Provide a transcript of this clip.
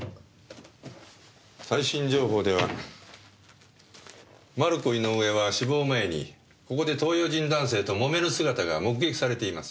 最新情報ではマルコ・イノウエは死亡前にここで東洋人男性と揉める姿が目撃されています。